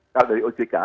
kalau dari ojk